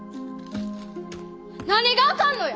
何があかんのや！